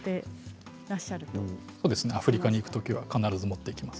アフリカに行くときは必ず持っていきます。